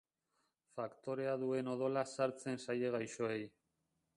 Faktorea duen odola sartzen zaie gaixoei.